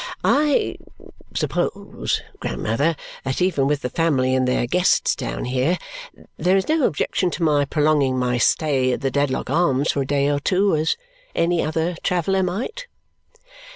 I suppose, grandmother, that even with the family and their guests down here, there is no objection to my prolonging my stay at the Dedlock Arms for a day or two, as any other traveller might?"